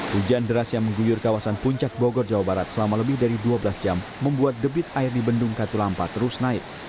hujan deras yang mengguyur kawasan puncak bogor jawa barat selama lebih dari dua belas jam membuat debit air di bendung katulampa terus naik